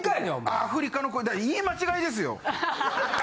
あアフリカの言い間違いですよ。